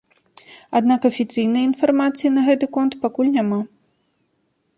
Аднак афіцыйнай інфармацыі на гэты конт пакуль няма.